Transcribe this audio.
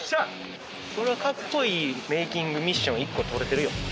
・これはカッコいいメイキングミッション１個撮れてるよ。